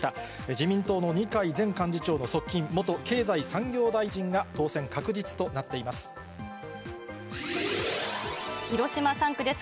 自民党の二階前幹事長の側近、元経済産業大臣が当選確実となっています。